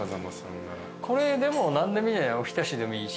これでも何でもいい。